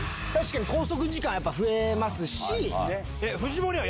拘束時間やっぱ増えますし。